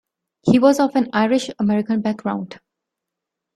He was of an Irish American background.